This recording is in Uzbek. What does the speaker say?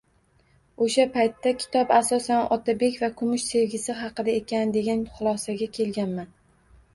O‘sha paytda kitob asosan Otabek bilan Kumush sevgisi haqida ekan, degan xulosaga kelganman.